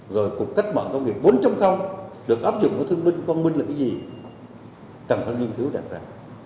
rồi cuộc cách mạng công nghiệp bốn trong được áp dụng của thương binh công minh là cái gì cần phải nghiên cứu đặt ra